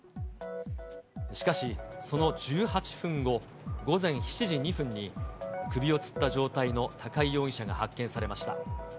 しかし、その１８分後、午前７時２分に、首をつった状態の高井容疑者が発見されました。